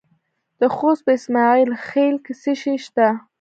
د خوست په اسماعیل خیل کې څه شی شته؟